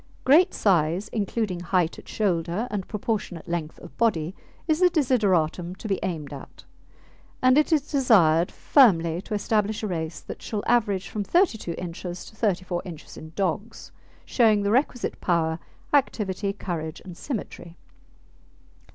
Great size, including height at shoulder and proportionate length of body, is the desideratum to be aimed at, and it is desired firmly to establish a race that shall average from 32 inches to 34 inches in dogs, showing the requisite power, activity, courage, and symmetry.